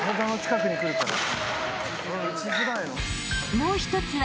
［もう一つは］